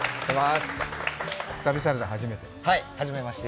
旅サラダ初めて？